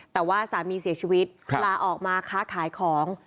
แต่ว่าสามีเสียชีวิตลาออกมาค้าขายของ